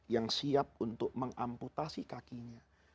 yang siap untuk mengamputasi kakinya